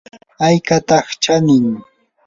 ¿aykataq chanin?